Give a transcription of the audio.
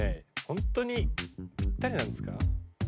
ホントにぴったりなんですか？